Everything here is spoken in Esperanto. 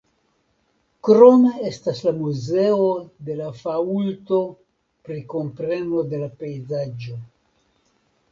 Krome estas la Muzeo de la Faŭlto pri kompreno de la pejzaĝo.